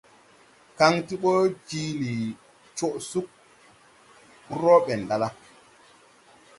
Kaŋ ti ɓɔ jiili coʼ sug rɔɔ ɓɛn ɗala.